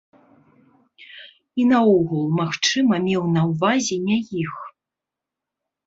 І наогул, магчыма, меў на ўвазе не іх.